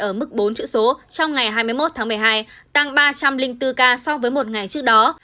ở mức bốn chữ số trong ngày hai mươi một tháng một mươi hai tăng ba trăm linh bốn ca so với một ngày trước đó